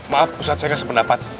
maaf ustadz saya gak sependapat